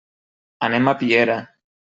Anem a Piera.